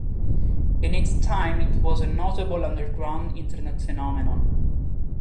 In its time, it was a notable "underground" Internet phenomenon.